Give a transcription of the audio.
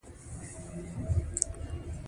چې د ګودر خواته روان و.